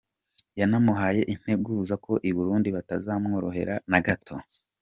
Yanamuhaye integuza ko i Burundi batazamworohera na gato.